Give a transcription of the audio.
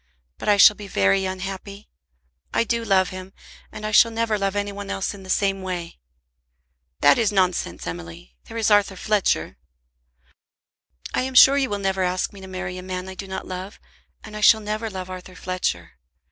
But I shall be very unhappy. I do love him, and I shall never love any one else in the same way." "That is nonsense, Emily. There is Arthur Fletcher." "I am sure you will never ask me to marry a man I do not love, and I shall never love Arthur Fletcher.